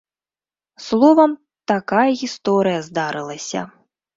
Словам, такая гісторыя здарылася.